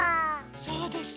そうです。